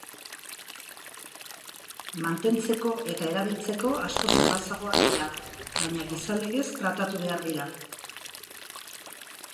Mantentzeko eta erabiltzeko askoz errazagoak dira, baina gizalegez tratatu behar dira.